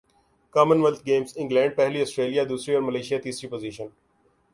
common wealth Games England پہلی Australia دوسری اور ملائشیا کی تیسری پوزیشن